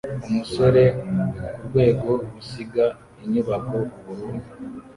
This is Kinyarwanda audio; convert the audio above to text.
Umusore kurwego rusiga inyubako ubururu